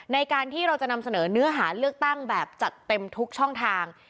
ในการที่เราจะนำเสนอเนื้อหาเลือกตั้งแบบจัดเต็มทุกช่องทาง